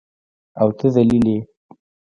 او ته ذلیل یې.